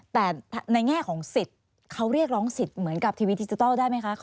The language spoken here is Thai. แต่ในแง่ของสิทธิ์เขาเรียกร้องสิทธิ์เหมือนกับทีวีดิจิทัลได้ไหมคะ